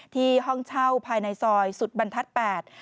ที่ห้องเช่าภายในซอยสุดบรรทัด๘